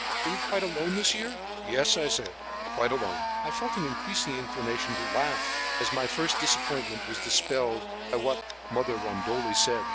Are you quite alone, this year?" "Yes," I said, "quite alone." I felt an increasing inclination to laugh, as my first disappointment was dispelled by what Mother Rondoli said.